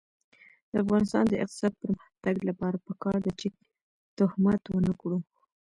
د افغانستان د اقتصادي پرمختګ لپاره پکار ده چې تهمت ونکړو.